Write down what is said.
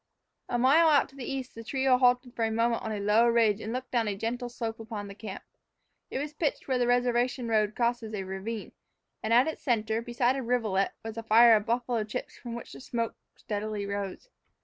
A mile out to the east the trio halted for a moment on a low ridge and looked down a gentle slope upon the camp. It was pitched where the reservation road crossed a ravine, and at its center, beside a rivulet, was a fire of buffalo chips from which the smoke steadily arose.